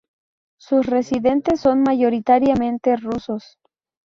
Sus residentes son mayoritariamente rusos.